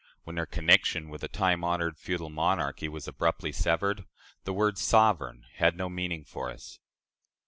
When their connection with a time honored feudal monarchy was abruptly severed, the word 'sovereign' had no meaning for us."